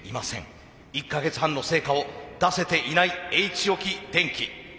１か月半の成果を出せていないＨ置電機。